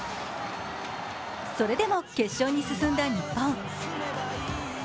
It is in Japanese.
それでも、決勝に進んだ日本。